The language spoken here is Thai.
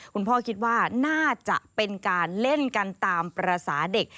คุณพ่อคิดว่าน่าจะเป็นการเล่นกันตามภาษาเด็ก